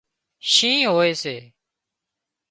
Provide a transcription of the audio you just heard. شِينهن هوئي سي